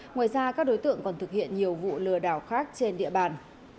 ngoài ra các đối tượng còn thực hiện nhiều vụ lừa đảo khác trên địa bàn